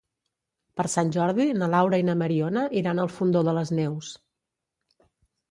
Per Sant Jordi na Laura i na Mariona iran al Fondó de les Neus.